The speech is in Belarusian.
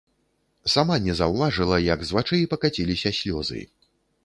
Сама не заўважыла, як з вачэй пакаціліся слёзы.